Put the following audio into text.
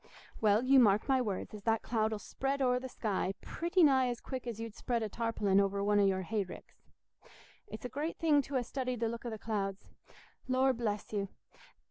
"Well, you mark my words, as that cloud 'ull spread o'er the sky pretty nigh as quick as you'd spread a tarpaulin over one o' your hay ricks. It's a great thing to ha' studied the look o' the clouds. Lord bless you!